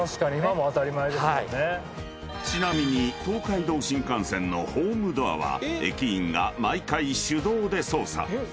［ちなみに東海道新幹線のホームドアは駅員が毎回手動で操作］